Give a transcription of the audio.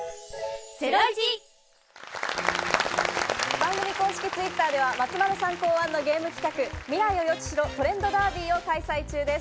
番組公式Ｔｗｉｔｔｅｒでは松丸さん考案のゲーム企画「未来を予知しろ！トレンドダービー」を開催中です。